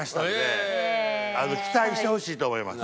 期待してほしいと思います。